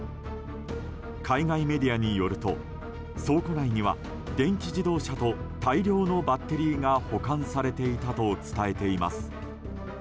海外メディアによると倉庫内には電気自動車と大量のバッテリーが保管されていたと伝えています。